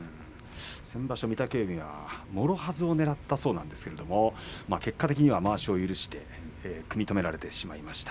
先場所、御嶽海はもろはずをねらったそうなんですが結果的には、まわしを許して敗れました。